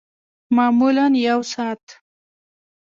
معمولاً یوه ساعت